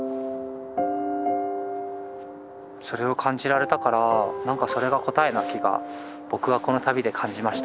それを感じられたから何かそれが答えな気が僕はこの旅で感じました。